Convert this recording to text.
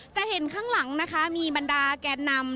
จะเห็นข้างหลังนะคะมีบรรดาแกนนำ